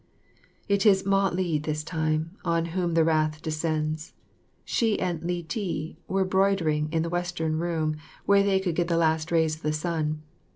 It is Mah li this time on whom the wrath descends. She and Li ti were broidering in the western room, where they could get the last rays of the sun.